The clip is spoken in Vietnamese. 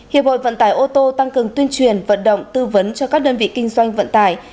hiệp hội vận tải ô tô tăng cường tuyên truyền vận động tư vấn cho các đơn vị kinh doanh vận tải